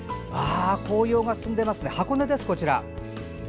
紅葉が進んでいますね箱根です、こちら。